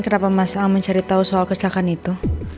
kenapa mas alman cari tau soal kesalahan itu